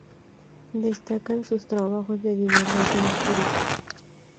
Destacan sus trabajos de divulgación histórica.